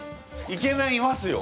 イケメンいますよ。